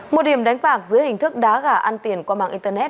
một điểm đánh bạc dưới hình thức đá gà ăn tiền qua mạng internet